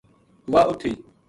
وہ ات تھی۔